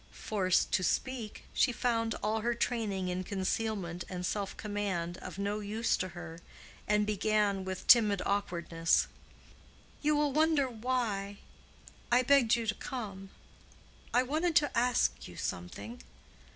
Forced to speak, she found all her training in concealment and self command of no use to her and began with timid awkwardness, "You will wonder why I begged you to come. I wanted to ask you something.